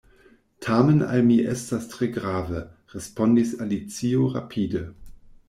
"Tamen al mi estas tre grave," respondis Alicio rapide.